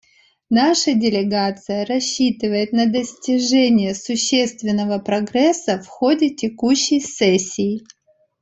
Наша делегация рассчитывает на достижение существенного прогресса в ходе текущей сессии.